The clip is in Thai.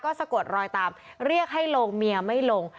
สะกดรอยตามเรียกให้ลงเมียไม่ลง